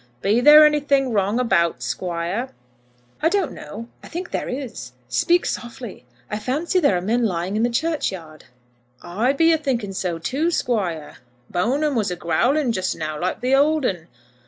"Be there anything wrong about, Squire?" "I don't know. I think there is. Speak softly. I fancy there are men lying in the churchyard." "I be a thinking so, too, Squire. Bone'm was a growling just now like the old 'un."